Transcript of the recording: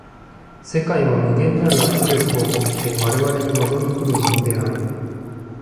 世界は無限なる圧力を以て我々に臨み来るものである。